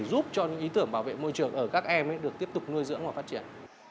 giúp cho những ý tưởng bảo vệ môi trường ở các em được tiếp tục nuôi dưỡng và phát triển